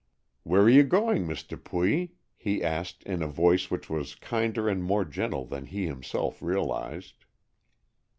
"Where are you going, Miss Dupuy?" he asked in a voice which was kinder and more gentle than he himself realized.